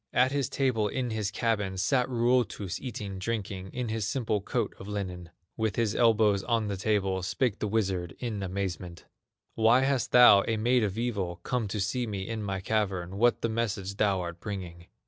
At his table in his cabin Sat Ruotus, eating, drinking, In his simple coat of linen. With his elbows on the table Spake the wizard in amazement: "Why hast thou, a maid of evil, Come to see me in my cavern, What the message thou art bringing?"